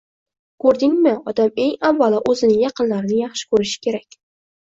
Ko‘rdingmi, odam eng avvalo o‘zining yaqinlarini yaxshi ko‘rishi kerak.